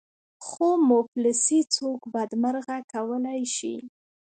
خو مفلسي څوک بدمرغه کولای شي.